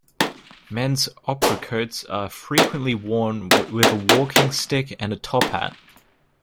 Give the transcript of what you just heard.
Men's opera coats are frequently worn with a walking stick and top hat.